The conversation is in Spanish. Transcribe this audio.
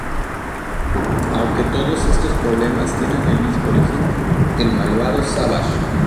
Aunque todos estos problemas tienen el mismo origen, el malvado Savage.